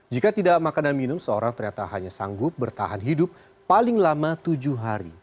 jika tidak makan dan minum seorang ternyata hanya sanggup bertahan hidup paling lama tujuh hari